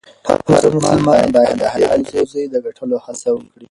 هر مسلمان باید د حلالې روزۍ د ګټلو هڅه وکړي.